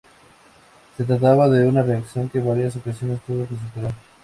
Se trataba de una reacción que en varias ocasiones tuvo que superar.